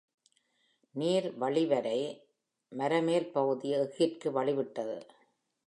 நீர் வழிவரை, மரமேல் பகுதி எஃகிற்கு வழி விட்டது.